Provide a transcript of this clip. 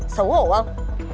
xấu hổ không